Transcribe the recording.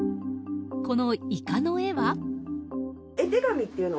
このイカの絵は？